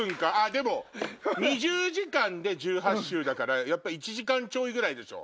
でも２０時間で１８周だからやっぱ１時間ちょいぐらいでしょ